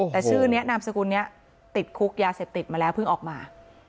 แต่ชื่อนี้นามสกุลนี้ติดคุกยาเสพติดมาแล้วเพิ่งออกมา